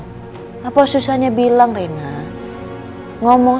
tahankah kak tante bukan ada belakang abang abang